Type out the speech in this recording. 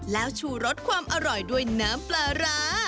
แล้วชูรสความอร่อยด้วยน้ำปลาร้า